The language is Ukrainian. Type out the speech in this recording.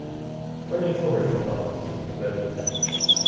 То нічого, що пан посів цю землю!